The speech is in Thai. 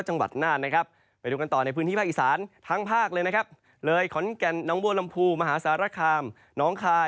จังหวัดนานนะครับไปดูกันต่อในพื้นที่ภาคอีสาน